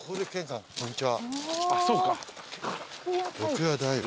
ああそうか。